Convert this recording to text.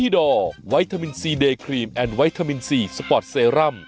เด็กแล้วเหรอโอเค